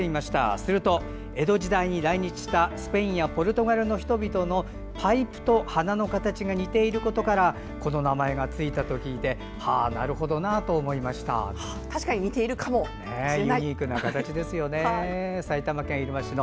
すると、江戸時代に来日したスペインやポルトガルの人々のパイプと花の形が似ていることからこの名前がついたと聞いてなるほどなと思いました。